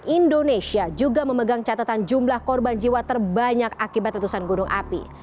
indonesia juga memegang catatan jumlah korban jiwa terbanyak akibat letusan gunung api